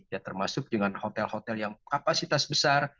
ya termasuk dengan hotel hotel yang kapasitas besar